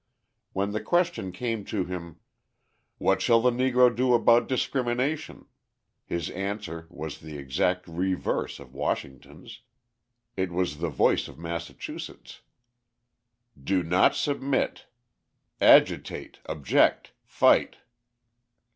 When the question came to him: "What shall the Negro do about discrimination?" his answer was the exact reverse of Washington's: it was the voice of Massachusetts: "Do not submit! agitate, object, fight."